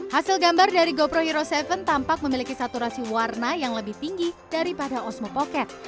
hasil gambar dari gopro hero tujuh tampak memiliki saturasi warna yang lebih tinggi daripada osmo pocket